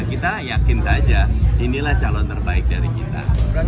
kita yakin saja inilah calon terbaik dari kita